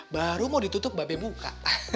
baru mau ditutup mba be buka